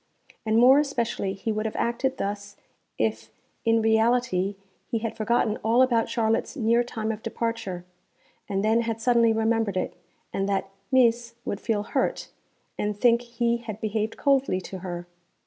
And more especially he would have acted thus if in reality he had forgotten all about Charlotte's near time of departure and then had suddenly remembered it, and that 'Mees' would feel hurt, and think he had behaved coldly to her.